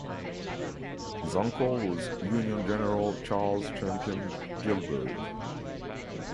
His uncle was Union General Charles Champion Gilbert.